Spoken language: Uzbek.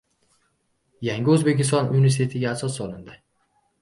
Yangi O‘zbekiston universitetiga asos solindi